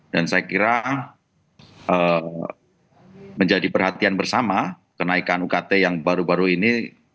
dan saya kira menjadi perhatian bersama kenaikan ukt yang baru baru ini